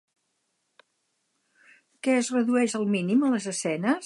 Què es redueix al mínim a les escenes?